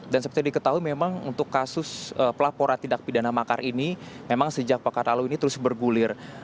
dan seperti yang diketahui memang untuk kasus pelaporan tidak pidana makar ini memang sejak pakar lalu ini terus bergulir